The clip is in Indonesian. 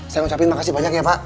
saya ucapin makasih banyak ya pak